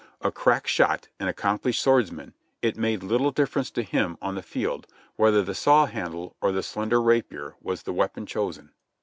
A crack shot and accomplished swordsman, it made little difference to him on the field whether the saw handle or the slender rapier was the weapon chosen.